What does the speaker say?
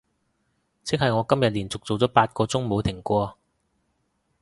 即係我今日連續做咗八個鐘冇停過